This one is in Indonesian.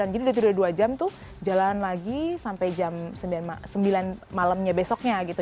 jadi udah dua jam tuh jalan lagi sampai jam sembilan malamnya besoknya gitu